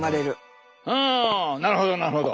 あなるほどなるほど。